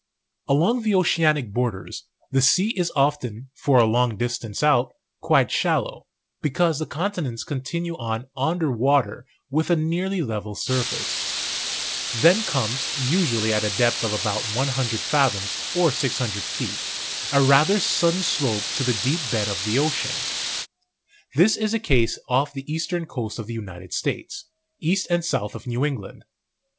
Along the oceanic borders, the sea is often, for a long distance out, quite shallow, because the continents con tinue on under water with a nearly level surface; then comes, usually at a depth of about 100 fathoms, or 600 feet, a rather sudden slope to the deep bed of the ocean. This is the case off the eastern coast of the United States, east and south of New England.